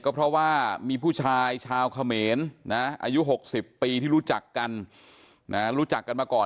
ก็เพราะว่ามีผู้ชายชาวเขมรนะอายุ๖๐ปีที่รู้จักกันรู้จักกันมาก่อน